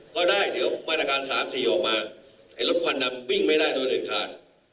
ก็ได้เดี๋ยวมาตรการสามสี่ออกมาไอ้รถควันดำบิ้งไม่ได้โดยเหนือคลาด